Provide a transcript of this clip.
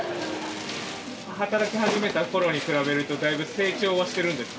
働きはじめた頃に比べるとだいぶ成長はしてるんですか？